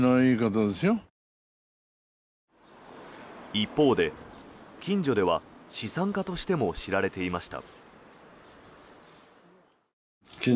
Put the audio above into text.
一方で、近所では資産家としても知られていました。